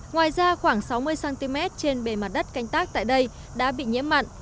ngoài ra khoảng sáu mươi cm trên bề mặt đất canh tác tại đây đã bị nhiễm mặn